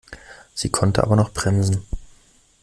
Sie konnte aber noch bremsen.